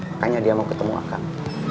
makanya dia mau ketemu akan